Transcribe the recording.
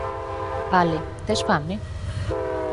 Vale. Tes fame?